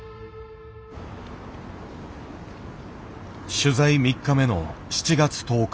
取材３日目の７月１０日。